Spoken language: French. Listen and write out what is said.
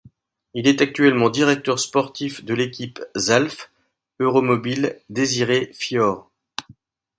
Il est actuellement directeur sportif de l'équipe Zalf Euromobil Désirée Fior.